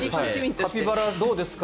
カピバラどうですか？